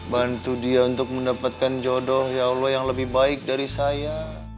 bantu dia untuk mendapatkan jodoh ya allah yang lebih baik dari saya